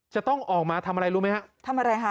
จะต้องออกมาทำอะไรรู้ไหมครับ